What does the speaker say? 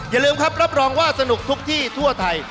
อย่าลืมครับรับรองว่าสนุกทุกที่ทั่วไทย